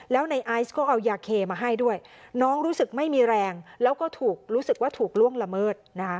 แล้วในไอซ์ก็เอายาเคมาให้ด้วยน้องรู้สึกไม่มีแรงแล้วก็ถูกรู้สึกว่าถูกล่วงละเมิดนะคะ